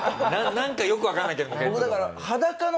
なんかよくわかんないけど。